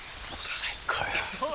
最高よ。